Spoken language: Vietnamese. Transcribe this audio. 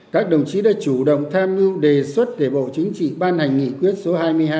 các đồng chí đã chủ động tham mưu đề xuất để bộ chính trị ban hành nghị quyết số hai mươi hai